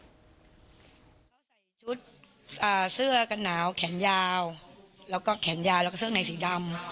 เขาใส่ชุดเสื้อกันหนาวแขนยาวแล้วก็แขนยาวแล้วก็เสื้อในสีดำ